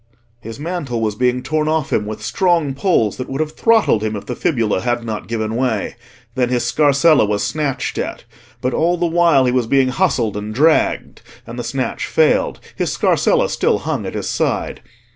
His mantle was being torn off him with strong pulls that would have throttled him if the fibula had not given way. Then his scarsella was snatched at; but all the while he was being hustled and dragged; and the snatch failed—his scarsella still hung at his side.